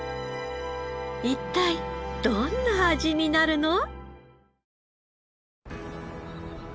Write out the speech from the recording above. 一体どんな味になるの？